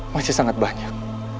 masih sangat banyak